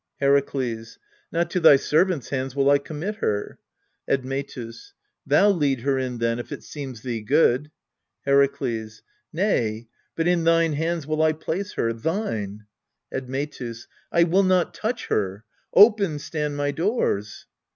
Herakles. Not to thy servants' hands will I commit her. Admetus. Thou lead her in then, if it seems thee good. Herakles. Nay, but in thine hands will I place her thine. Admetus. I will not touch her! Open stand my doors.